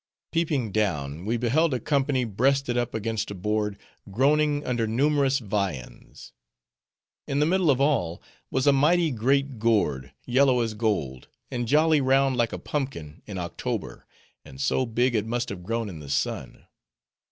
Peeping down, we beheld a company, breasted up against a board, groaning under numerous viands. In the middle of all, was a mighty great gourd, yellow as gold, and jolly round like a pumpkin in October, and so big it must have grown in the sun.